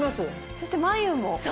そして眉も。